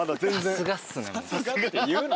「さすが」って言うな。